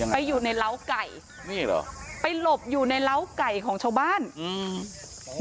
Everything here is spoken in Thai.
ไปอยู่ในเล้าไก่นี่เหรอไปหลบอยู่ในร้าวไก่ของชาวบ้านอืม